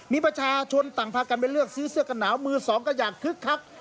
มีประชาชนต่างพากันไปเลือกซื้อเสื้อกันหนาวมือสองกันอย่างคึกคัก